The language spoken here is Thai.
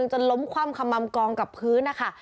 มันจะล้มความขมัมกองกับพื้นนะคะ